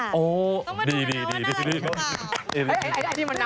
ต้องมาดูนะว่าน่ารักหรือเปล่า